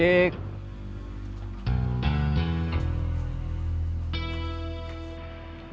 tidak ada kabar